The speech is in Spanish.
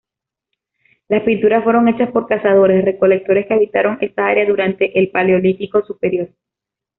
Las pinturas fueron hechas por cazadores-recolectores que habitaron esa área durante el Paleolítico Superior.